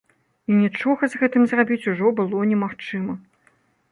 І нічога з гэтым зрабіць ужо было немагчыма.